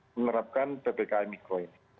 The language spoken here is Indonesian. menerapkan ppkm mikro ini